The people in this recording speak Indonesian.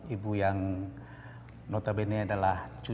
ibu yang notabene adalah